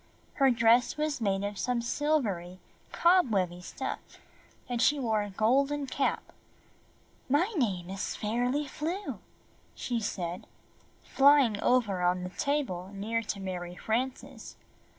Her dress was made of some silvery cobwebby stuff and she wore a golden cap. "My name is Fairly Flew/' she said, flying over on the table near to Mary Frances.